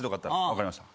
分かりました。